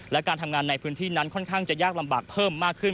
และการทำงานในพื้นที่นั้นค่อนข้างจะยากลำบากเพิ่มมากขึ้น